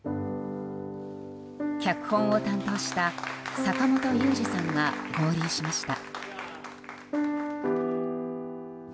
脚本を担当した坂元裕二さんが合流しました。